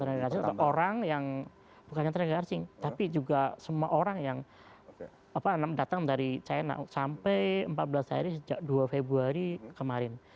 tenaga asing atau orang yang bukannya tenaga asing tapi juga semua orang yang datang dari china sampai empat belas hari sejak dua februari kemarin